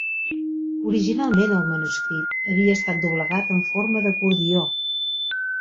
Originalment, el manuscrit havia estat doblegat en forma d'acordió.